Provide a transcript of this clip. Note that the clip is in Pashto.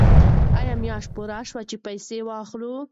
آیا میاشت پوره شوه چې موږ پیسې واخلو؟